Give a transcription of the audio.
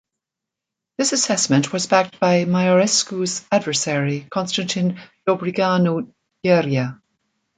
This assessment was backed by Maiorescu's adversary, Constantin Dobrogeanu-Gherea.